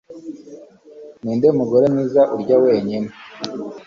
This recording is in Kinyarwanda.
ninde mugore mwiza urya wenyine